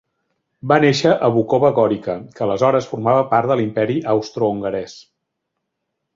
Va néixer a Vukova Gorica, que aleshores formava part de l'Imperi Austrohongarès.